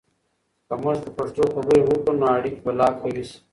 که موږ په پښتو خبرې وکړو، نو اړیکې به لا قوي سي.